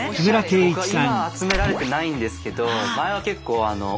僕は今は集められてないんですけど前は結構あら！